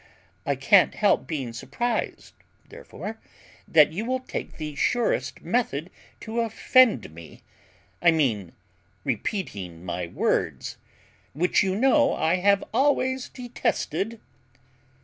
I can't help being surprized, therefore, that you will take the surest method to offend me I mean, repeating my words, which you know I have always detested."